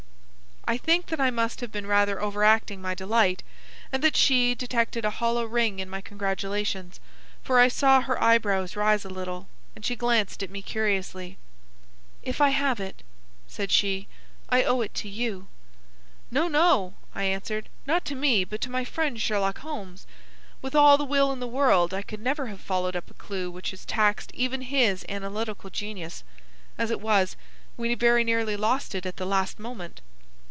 I think that I must have been rather overacting my delight, and that she detected a hollow ring in my congratulations, for I saw her eyebrows rise a little, and she glanced at me curiously. "If I have it," said she, "I owe it to you." "No, no," I answered, "not to me, but to my friend Sherlock Holmes. With all the will in the world, I could never have followed up a clue which has taxed even his analytical genius. As it was, we very nearly lost it at the last moment."